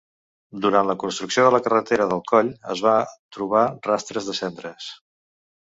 Durant la construcció de la carretera del coll, es va trobar rastres de cendres.